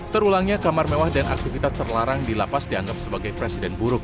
terulangnya kamar mewah dan aktivitas terlarang di lapas dianggap sebagai presiden buruk